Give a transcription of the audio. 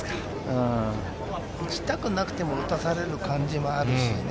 打ちたくなくても打たされる感じがあるしね。